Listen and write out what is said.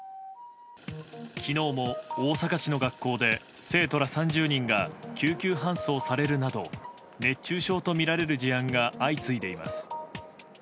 昨日も大阪市の学校で生徒ら３０人が救急搬送されるなど熱中症とみられる事案が相次いでいます。